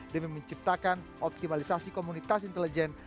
demi menciptakan optimalisasi komunitas intelijen